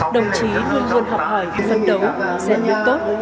đồng chí luôn luôn học hỏi phấn đấu và diễn biến tốt